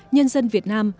nhân dân việt nam